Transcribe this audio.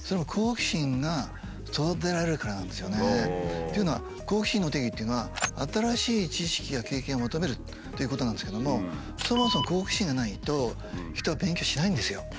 っていうのは好奇心の定義っていうのは新しい知識や経験を求めるっていうことなんですけどもそもそも好奇心がないと人は勉強しないんですよ。